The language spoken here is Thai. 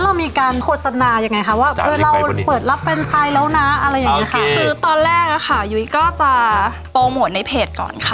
อะไรอย่างเงี้ยค่ะคือตอนแรกอะค่ะยุ้ยก็จะโปรโมทในเพจก่อนค่ะ